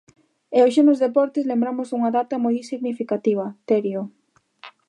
E hoxe nos deportes lembramos unha data moi significativa, Terio.